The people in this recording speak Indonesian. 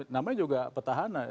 namanya juga petahana